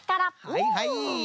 はいはい。